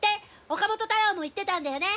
岡本太郎も言ってたんだよね！